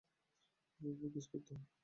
এভাবে কিস করতে হয়।